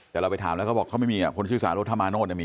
แต่เราไปถามแล้วเขาบอกเขาไม่มีอ่ะคนชื่อสาโรธมาโนธมี